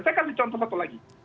saya kasih contoh satu lagi